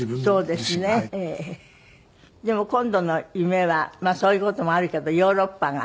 でも今度の夢はまあそういう事もあるけどヨーロッパが。